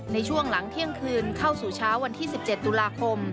ในช่วงหลังเที่ยงคืนเข้าสู่เช้าวันที่๑๗ตุลาคม